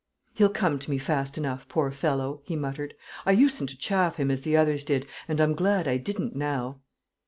"He'll come to me fast enough, poor fellow," he muttered. "I usen't to chaff him as the others did, and I'm glad I didn't, now."